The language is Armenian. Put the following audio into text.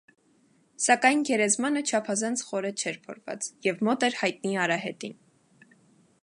Սակայն գերեզմանը չափազանց խորը չէր փորված և մոտ էր հայտնի արահետին։